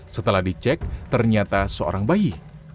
setelah dicek ternyata seorang bayi